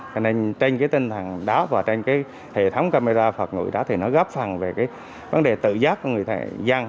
cho nên trên cái tinh thần đó và trên cái hệ thống camera phạt ngụy đó thì nó góp phần về cái vấn đề tự giác của người dân